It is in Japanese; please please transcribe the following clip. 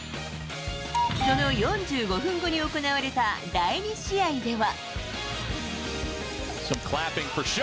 その４５分後に行われた第２試合では。